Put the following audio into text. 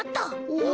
お！